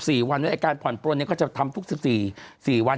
ทุก๑๔วันวิทยาการผ่อนปล้นนี้เขาจะทำทุก๑๔วัน